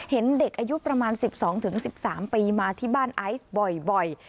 เห็นเด็กอายุประมาณ๑๒๑๓ปีมาที่บ้านไอซ์บ่อย